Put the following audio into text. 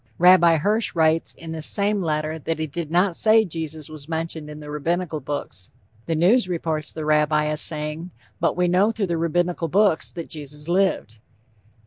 Rabbi Hirsch writes in this same letter that he did not say Jesus was mentioned in the Rabbinical Books. The News reports the Rabbi as saying, "But we know through the Rabbinical Books that Jesus lived."